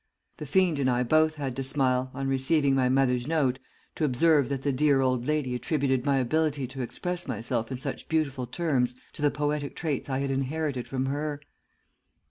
The fiend and I both had to smile, on receiving my mother's note, to observe that the dear old lady attributed my ability to express myself in such beautiful terms to the poetic traits I had inherited from her.